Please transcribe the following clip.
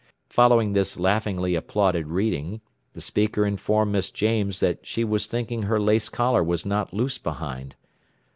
Following this laughingly applauded "reading," the speaker informed Miss James that she was thinking her lace collar was not loose behind.